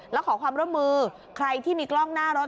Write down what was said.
แล้วขอความร่วมมือใครที่มีกล้องหน้ารถ